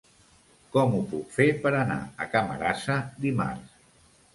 Com ho puc fer per anar a Camarasa dimarts?